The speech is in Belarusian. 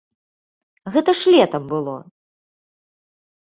Гэта ж летам было.